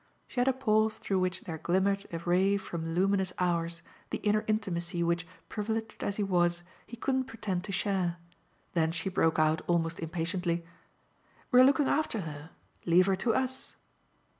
She had a pause through which there glimmered a ray from luminous hours, the inner intimacy which, privileged as he was, he couldn't pretend to share; then she broke out almost impatiently: "We're looking after her leave her to US!"